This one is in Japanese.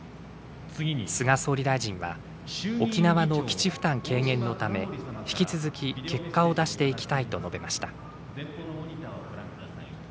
菅総理大臣は「沖縄の基地負担軽減のため引き続き結果を出していきたい」と述べました。